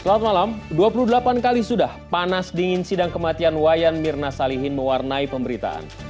selamat malam dua puluh delapan kali sudah panas dingin sidang kematian wayan mirna salihin mewarnai pemberitaan